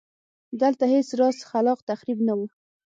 دلته هېڅ راز خلاق تخریب نه و.